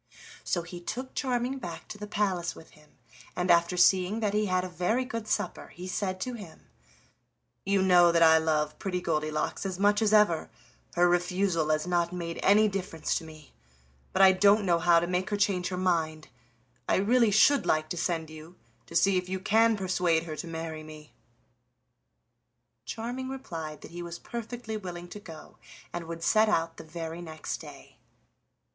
So he took Charming back to the palace with him, and after seeing that he had a very good supper he said to him: "You know that I love Pretty Goldilocks as much as ever, her refusal has not made any difference to me; but I don't know how to make her change her mind; I really should like to send you, to see if you can persuade her to marry me." Charming replied that he was perfectly willing to go, and would set out the very next day.